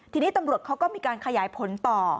ทีนี้ตำรวจเขาก็มีการขยายผลต่อ